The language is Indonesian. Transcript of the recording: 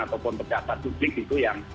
ataupun pejabat publik itu yang